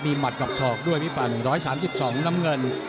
มีหมัดกับศอกด้วยพี่ปั่น๑๓๒น้ำเงิน